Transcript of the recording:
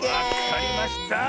わかりました！